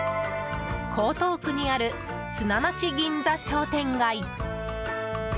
江東区にある砂町銀座商店街。